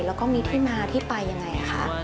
แล้วก็มีที่มาที่ไปยังไงคะ